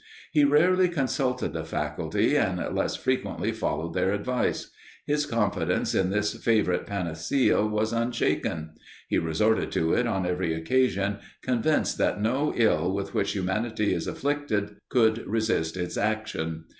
He rarely consulted the faculty, and less frequently followed their advice. His confidence in this favourite panacea was unshaken; he resorted to it on every occasion, convinced that no ill with which humanity is afflicted, could resist its action.